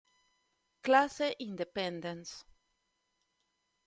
Classe Independence